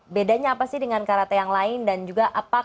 bedanya apa sih dengan karwali yang lain toujours berbeda sih